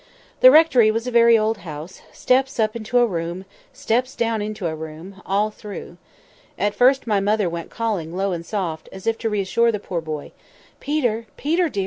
The rectory was a very old house—steps up into a room, steps down into a room, all through. At first, my mother went calling low and soft, as if to reassure the poor boy, 'Peter! Peter, dear!